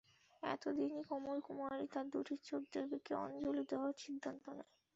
এদিনই কোমল কুমারী তার দুটি চোখ দেবীকে অঞ্জলি দেওয়ার সিদ্ধান্ত নেয়।